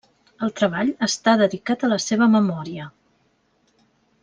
El treball està dedicat a la seva memòria.